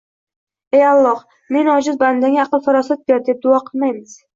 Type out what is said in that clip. “Ey Alloh, men ojiz bandangga aql-farosat ber!” deb duo qilmaymiz.